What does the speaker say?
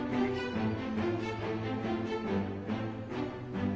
うん。